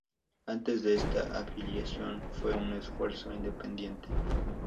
Antes de esta afiliación fue un esfuerzo independiente.